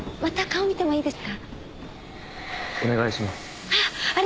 また顔見てもいいですか？